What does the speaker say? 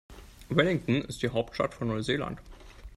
Wellington ist die Hauptstadt von Neuseeland.